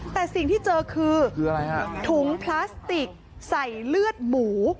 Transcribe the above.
แต่สิ่งที่เจอคืออะไรฮะถุงพลาสติกใส่เลือดหมู